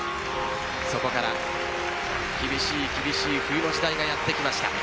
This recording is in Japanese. そこから厳しい厳しい冬の時代がやってきました。